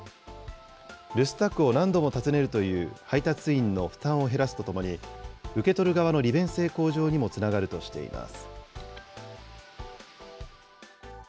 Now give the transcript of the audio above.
留守宅を何度も訪ねるという配達員の負担を減らすとともに、受け取る側の利便性向上にもつながるとしています。